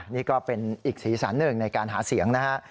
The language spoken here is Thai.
นี่ก็เป็นอีกสีสันหนึ่งในการหาเสียงนะฮะ